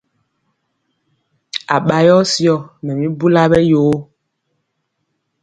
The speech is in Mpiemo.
Aɓa yɔ syɔ mɛ mi bula ɓɛ yoo.